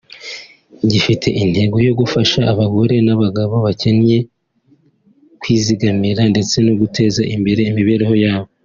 gifite intego yo gufasha abagore n’abagabo bakennye kwizigamira ndetse no guteza imbere imibereho yabo